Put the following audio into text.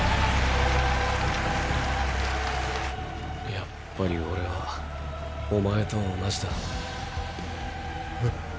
やっぱりオレはお前と同じだ。え？